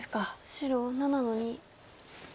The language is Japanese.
白７の二。